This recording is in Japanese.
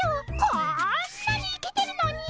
こんなにイケてるのに。